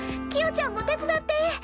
キヨちゃんも手伝って！